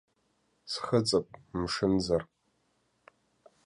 Схыҵып, мшынзар.